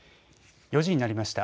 ４時になりました。